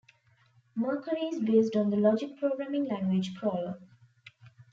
Mercury is based on the logic programming language Prolog.